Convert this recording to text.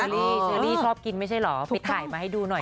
เชอรี่ชอบกินไม่ใช่เหรอไปถ่ายมาให้ดูหน่อย